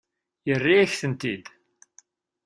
Yerra-yak-ten-id.